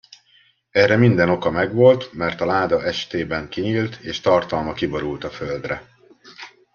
Erre minden oka megvolt, mert a láda estében kinyílt, és tartalma kiborult a földre.